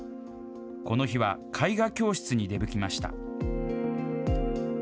この日は、絵画教室に出向きました。